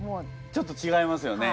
ちょっとちがいますよね。